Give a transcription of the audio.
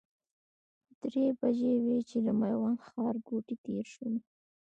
درې بجې وې چې له میوند ښارګوټي تېر شولو.